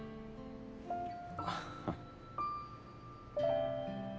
ああ。